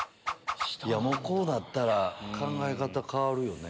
こうなったら考え方変わるよね。